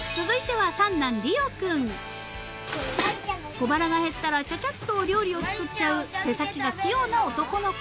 ［小腹が減ったらちゃちゃっとお料理を作っちゃう手先が器用な男の子］